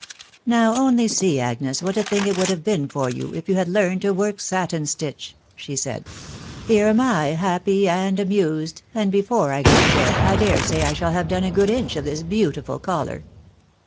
" Now, only see, Agnes, what a thing it would have been for you, if you had learned to work satin stitch !" she said. " Here am I, happy and amused, and before I go to bed I dare say I shall have done a good inch of this beautiful collar.